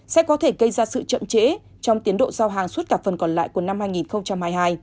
sẽ có thể gây ra sự chậm trễ trong tiến độ giao hàng suốt cả phần còn lại của năm hai nghìn hai mươi hai